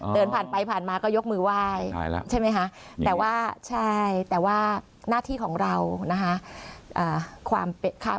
เดินผ่านไปผ่านมาก็ยกมือไหว้แล้วใช่ไหมคะแต่ว่าใช่แต่ว่าหน้าที่ของเรานะคะ